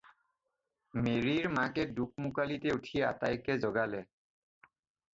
মেৰিৰ মাকে দোকমোকালিতে উঠি আটাইকে জগালে।